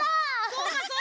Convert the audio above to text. そうかそうか。